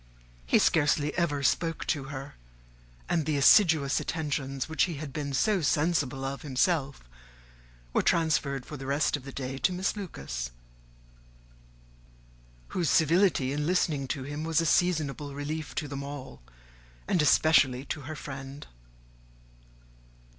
He scarcely ever spoke to her; and the assiduous attentions which he had been so sensible of himself were transferred for the rest of the day to Miss Lucas, whose civility in listening to him was a seasonable relief to them all, and especially to her friend.